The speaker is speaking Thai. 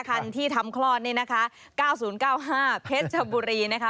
คันที่ทำคลอดนี่นะคะ๙๐๙๕เพชรชบุรีนะคะ